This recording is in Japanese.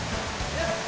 よし。